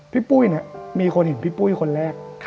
พี่ปุ้ยมีคนเห็นพี่ปุ้ยคนแรก